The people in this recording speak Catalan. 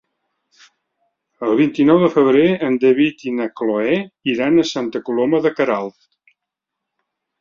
El vint-i-nou de febrer en David i na Cloè iran a Santa Coloma de Queralt.